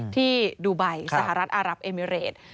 ที่ดูไบสหรัฐอารับเอมิเรต